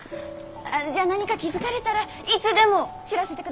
じゃ何か気付かれたらいつでも知らせてください。